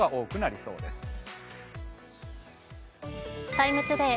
「ＴＩＭＥ，ＴＯＤＡＹ」